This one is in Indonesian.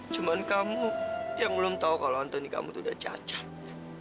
cuma kamu yang belum tahu kalau antoni kamu tuh udah cacat